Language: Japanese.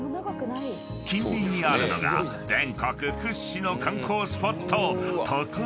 ［近隣にあるのが全国屈指の観光スポット］